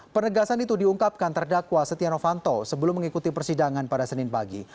penegasan itu diungkapkan terdakwa setia novanto sebelum mengikuti persidangan pada senin pagi